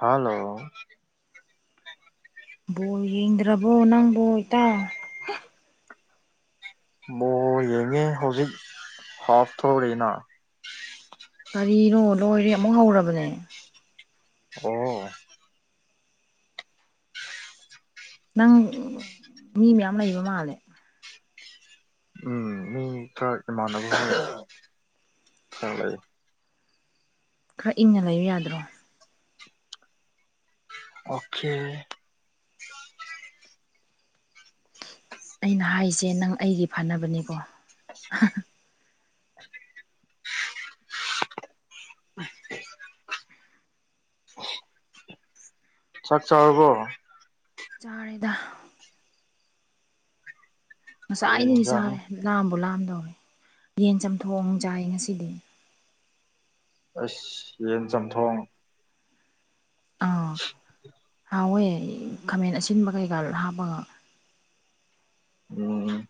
hello ꯕꯣꯜ ꯌꯦꯡꯗ꯭ꯔꯕꯣ ꯅꯪꯕꯣ ꯏꯇꯥꯎ ꯕꯣꯜ ꯌꯦꯡꯉꯦ ꯍꯧꯖꯤꯛ ꯍꯥꯞ ꯊꯣꯛꯔꯤꯅ ꯀꯔꯤꯅꯣ ꯂꯣꯏꯔꯦ ꯑꯃꯨꯛ ꯍꯧꯔꯕꯅꯦ ꯑꯣ ꯅꯪ ꯃꯤ ꯃꯌꯥꯝ ꯂꯩꯕ ꯃꯥꯜꯂꯦ ꯎꯝ ꯃꯤ ꯈꯔ ꯏꯃꯥꯟꯅꯕ [inaudible] ꯈꯔ ꯂꯩ ꯈꯔ ꯏꯪꯅ ꯂꯩꯌꯨ ꯌꯥꯗ꯭ꯔꯣ ꯑꯣꯛꯈꯦ ꯑꯩꯅ ꯍꯥꯏꯁꯦ ꯅꯪ ꯑꯩꯒꯤ ꯐꯅꯕꯅꯤꯀꯣ [unintelligible] ꯆꯥꯛ ꯆꯥꯔꯕꯣ ꯆꯥꯔꯦꯗꯥ ꯀꯔꯤ ꯉꯁꯥꯏꯗꯒꯤ ꯌꯦꯟꯖꯥꯡ ꯆꯥꯔꯦ ꯂꯥꯝꯕꯨ ꯂꯥꯝ ꯗꯧꯔꯦ ꯌꯦꯟ ꯆꯝꯊꯣꯡ ꯆꯥꯏ ꯉꯁꯤꯗꯤ ꯑꯩꯁ ꯌꯦꯟ ꯆꯝꯊꯣꯡ ꯑꯥ ꯁ [unintelligible] ꯍꯥꯎꯋꯦ ꯈꯥꯃꯦꯟ ꯑꯁꯤꯟꯕ ꯀꯩꯀꯥ ꯍꯥꯞꯄꯒ ꯎꯝ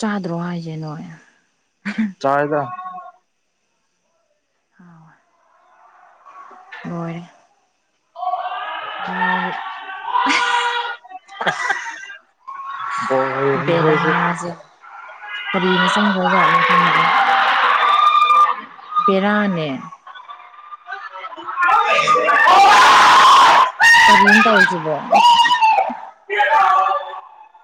ꯆꯥꯗ꯭ꯔꯣ ꯍꯥꯏꯖꯦ ꯅꯣꯏ ꯆꯥꯏꯗ ꯍꯥꯎꯋꯦ ꯂꯣꯏꯔꯦ ꯅꯥꯎꯔꯤ [unintelligible] ꯑꯁ ꯕꯦꯔꯔꯥ ꯖꯦ ꯀꯔꯤꯅ ꯆꯪꯈ꯭ꯔꯖꯥꯠꯅꯣ ꯈꯪꯗꯦ ꯕꯦꯔꯥꯅꯦ ꯀꯔꯤꯅ ꯇꯧꯌꯤꯖꯤꯕꯣ [unintelligible]